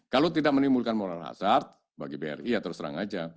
kalau tidak menimbulkan moral hazard bagi bri ya terus terang aja